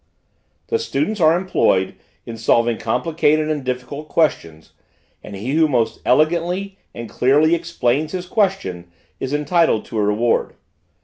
The students are employed in solving complicated and difficult questions, and he who most elegantly and clearly explains his question, is entitled to a reward.